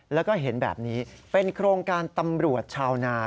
แล้วก็เห็นแบบนี้เป็นโครงการตำรวจชาวนา